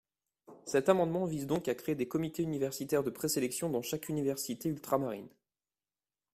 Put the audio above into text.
Cet amendement vise donc à créer des comités universitaires de présélection dans chaque université ultramarine.